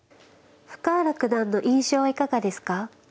深浦九段の印象はいかがですか。